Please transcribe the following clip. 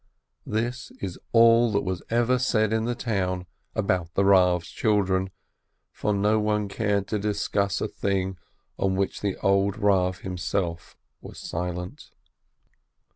This is all that was ever said in the town about the Rav's children, for no one cared to discuss a thing on which the old Rav himself was silent.